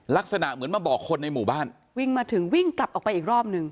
ลักษณะเหมือนมาบอกคนในหมู่บ้านวิ่งมาถึงวิ่งกลับออกไปอีกรอบหนึ่ง